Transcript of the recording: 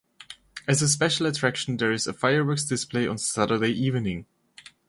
As a special attraction there is a fireworks display on Saturday evening.